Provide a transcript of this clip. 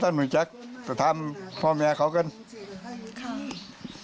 ว่าน้องน่าจะเสียชีวิตจริง